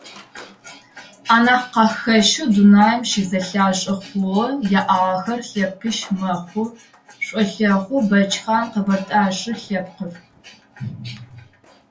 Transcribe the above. Анахь къахэщэу, дунаим щызэлъашӏэ хъугъэу яӏагъэхэр лъэпкъищ мэхъу: шъэолъэхъу, бэчкъан, къэбэртэе шы лъэпкъыр.